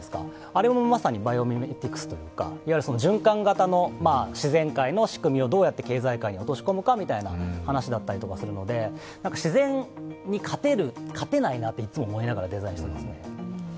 あれもまさにバイオミメティクスというか、循環型の自然界の仕組みをどうやって経済界に落とし込めるかという話なので、自然に勝てないなって、いつも思いながらデザインしていますね。